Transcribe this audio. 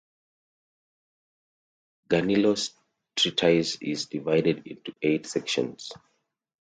Gaunilo's treatise is divided into eight sections.